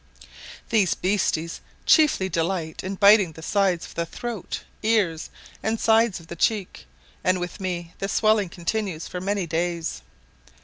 These "beasties" chiefly delight in biting the sides of the throat, ears, and sides of the cheek, and with me the swelling continues for many days.